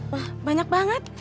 wah banyak banget